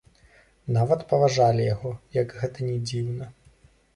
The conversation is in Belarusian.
Нават паважалі яго, як гэта ні дзіўна.